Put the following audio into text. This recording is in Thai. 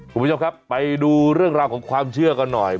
คุณผู้ชมครับไปดูเรื่องราวของความเชื่อกันหน่อย